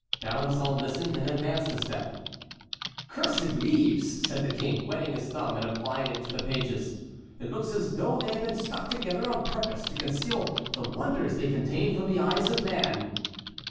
D'Alençon listened and advanced a step. "Cursed leaves!" said the King, wetting his thumb and applying it to the pages; "it looks as though they had been stuck together on purpose to conceal the wonders they contain from the eyes of man."